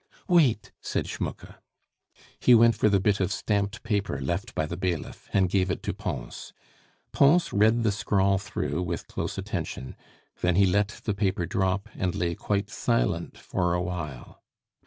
"Wait," said Schmucke. He went for the bit of stamped paper left by the bailiff, and gave it to Pons. Pons read the scrawl through with close attention, then he let the paper drop and lay quite silent for a while.